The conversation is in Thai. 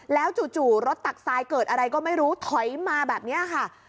แล้วจู่รถตักทรายเกิดอะไรก็ไม่รู้ถอยมาแบบนี้ค่ะ